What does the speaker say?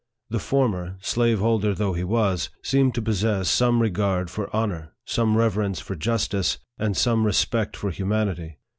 The former .(slaveholder though he was) seemed to possess some regard for honor, some rever ence for justice, and some respect for humanity.